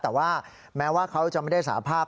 แต่ว่าแม้ว่าเขาจะไม่ได้สาภาพ